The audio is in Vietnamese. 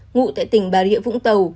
ngụ tại tỉnh bà rịa vũng tàu